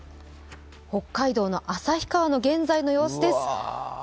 北海道の旭川の現在の様子です。